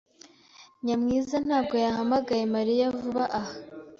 Nyamwiza ntabwo yahamagaye Mariya vuba aha.